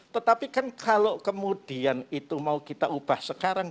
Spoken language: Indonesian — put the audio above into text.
tetapi kan kalau kemudian itu mau kita ubah sekarang